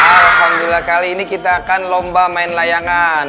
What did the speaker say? alhamdulillah kali ini kita akan lomba main layangan